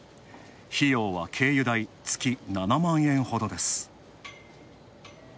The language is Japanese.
費用は月７万円ほどです。